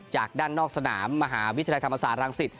จากด้านนอกสนามมหาวิทยาลัยธรรมศาสตรังสิต